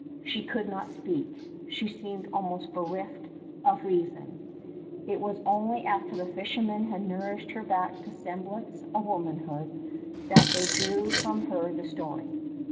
She could not speak; she seemed almost bereft of reason. It was only after the fishermen had nourished her back to semblance of womanhood that they drew from her the story.